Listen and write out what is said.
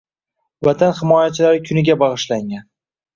Vatan himoyachilari kuniga bagʻishlangan